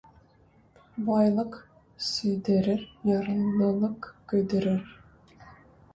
Байлык сөйдерер, ярлылык көйдерер.